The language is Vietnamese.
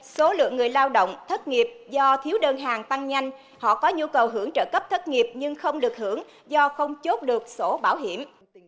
số lượng người lao động thất nghiệp do thiếu đơn hàng tăng nhanh họ có nhu cầu hưởng trợ cấp thất nghiệp nhưng không được hưởng do không chốt được sổ bảo hiểm